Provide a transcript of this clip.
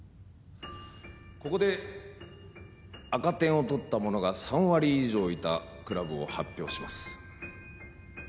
ここで赤点を取った者が３割以上いたクラブを発表します。